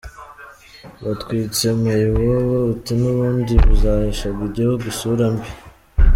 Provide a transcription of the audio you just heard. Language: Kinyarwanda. – Batwitse mayibobo uti “n’ubundi zaheshaga igihugu isura mbi”